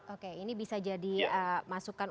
oke ini bisa jadi masukan